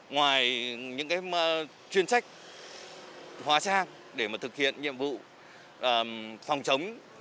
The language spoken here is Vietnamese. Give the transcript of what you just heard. ngoài những chuyên trách hóa sang để thực hiện nhiệm vụ phòng chống